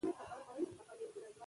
نیک اخلاق بدخويي کموي.